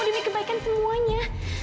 demi kebaikan semuanya